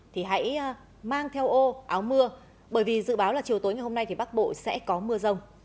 thì hãy mang theo ô áo mưa bởi vì dự báo là chiều tối ngày hôm nay thì bắc bộ sẽ có mưa rông